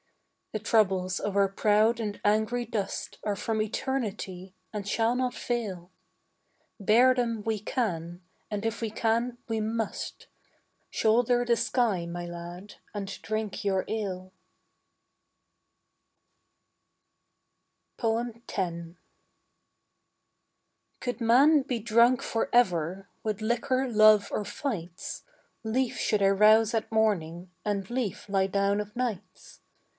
The troubles of our proud and angry dust Are from eternity, and shall not fail. Bear them we can, and if we can we must. Shoulder the sky, my lad, and drink your ale. X. Could man be drunk for ever With liquor, love, or fights, Lief should I rouse at morning And lief lie down of nights.